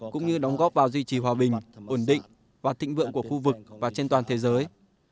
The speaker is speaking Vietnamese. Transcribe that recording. cũng như đóng góp vào duy trì hòa bình ổn định và thịnh vượng của khu vực và trên toàn thế giới